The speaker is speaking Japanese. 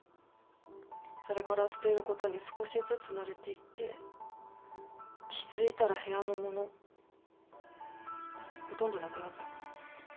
それから捨てる事に少しずつ慣れていって気づいたら部屋のものほとんどなくなって。